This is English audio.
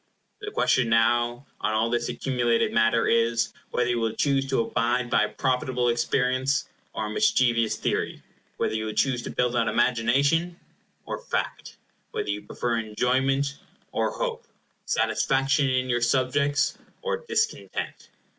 The question now, on all this accumulated matter, is: whether you will choose to abide by a profitable experience, or a mischievous theory; whether you choose to build on imagination, or fact; whether you prefer enjoyment, or hope; satisfaction in your subjects, or discontent?